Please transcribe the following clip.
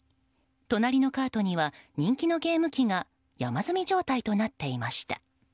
隣のカートには人気のゲーム機が山積み状態となっていました。